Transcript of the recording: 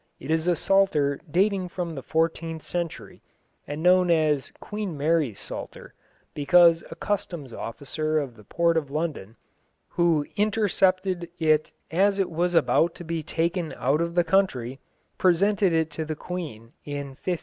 It is a Psalter dating from the fourteenth century, and known as Queen Mary's Psalter, because a customs officer of the port of London, who intercepted it as it was about to be taken out of the country, presented it to the Queen in 1553.